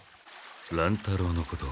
乱太郎のことを。